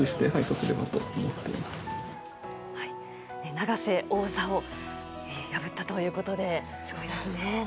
永瀬王座を破ったということですごいですね。